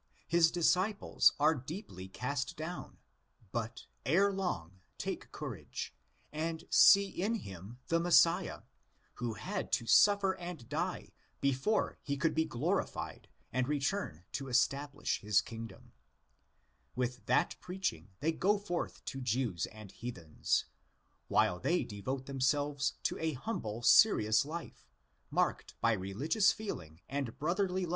"' His disciples are deeply cast down, but ere long take courage, and see in him the Messiah, who had to suffer and die before he could be glorified and return to establish his kingdom. ''With that preaching they go forth to Jews and heathens ; while they devote themselves to a humble, serious life, marked by religious feeling and brotherly 1 The paragraphs in inverted commas are translated in full.